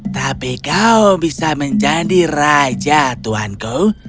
tapi kau bisa menjadi raja tuhanku